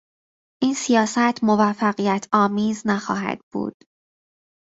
این سیاست موفقیتآمیز نخواهد بود.